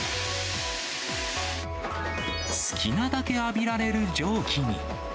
好きなだけ浴びられる蒸気に。